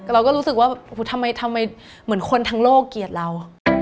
เราก็รู้สึกว่าทำไมเหมือนคนทั้งโลกเกลียดเรา